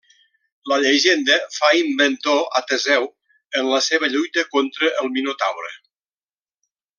La llegenda fa inventor a Teseu en la seva lluita contra el Minotaure.